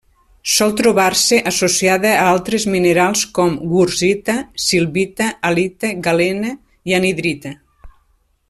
Sol trobar-se associada a altres minerals com: wurtzita, silvita, halita, galena i anhidrita.